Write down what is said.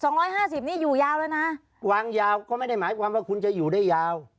ร้อยห้าสิบนี่อยู่ยาวแล้วนะวางยาวก็ไม่ได้หมายความว่าคุณจะอยู่ได้ยาว